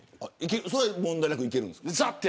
それは問題なくいけるんですか。